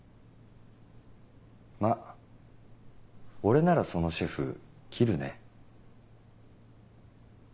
まっ俺ならそのシェフ切るね。